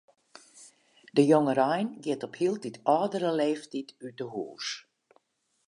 De jongerein giet op hieltyd âldere leeftiid út 'e hús.